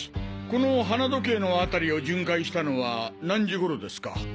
この花時計の辺りを巡回したのは何時頃ですか？